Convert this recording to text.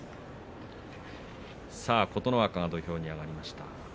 琴ノ若が土俵に上がりました。